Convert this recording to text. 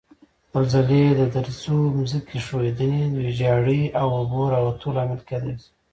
زلزلې د درزو، ځمکې ښویدنې، ویجاړي او اوبو راوتو لامل کېدای شي.